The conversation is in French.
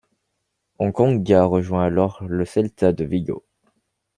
Engonga rejoint alors le Celta de Vigo.